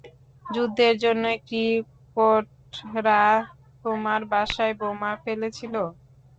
যুদ্ধের জন্য কি, ক্রোটরা তোমার বাসায় বোমা ফেলেছিল?